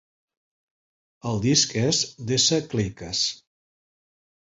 El disc és d'S. Kleivkaas.